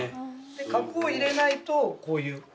核を入れないとこういう。